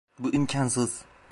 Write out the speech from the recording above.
Bu imkânsız.